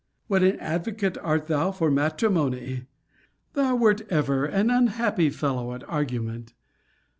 What an advocate art thou for matrimony ! Thou wert ever an unhappy fellow at argument.